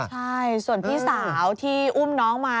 ใช่ส่วนพี่สาวที่อุ้มน้องมา